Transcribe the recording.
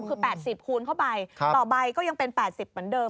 คือ๘๐คูณเข้าไปต่อใบก็ยังเป็น๘๐เหมือนเดิม